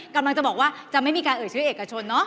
กำลังจะบอกว่าจะไม่มีการเอ่ยชื่อเอกชนเนาะ